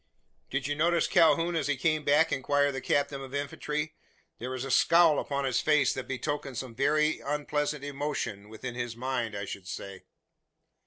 "Did you notice Calhoun as he came back?" inquired the captain of infantry. "There was a scowl upon his face that betokened some very unpleasant emotion within his mind, I should say."